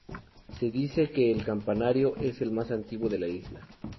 Se dice que el campanario es el más antiguo de la isla.